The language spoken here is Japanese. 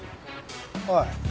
おい。